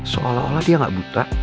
seolah olah dia nggak buta